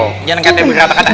oke jangan kata berlaku laku